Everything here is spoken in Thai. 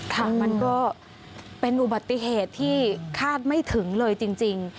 ค่ะมันก็เป็นอุบัติเหตุที่คาดไม่ถึงเลยจริง